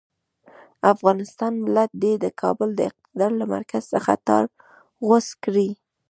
افغان ملت دې د کابل د اقتدار له مرکز څخه تار غوڅ کړي.